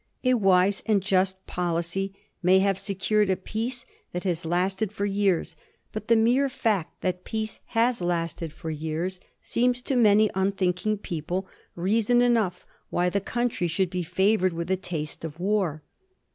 A wise and just policy may have secured a peace that has lasted for years; but the mere fact that peace has lasted for years 148 ^ HISTORY OF THE FOUR GEORGES. ch. xxzi. seems to many unthinking people reason enough why the country should be favored with a taste of war.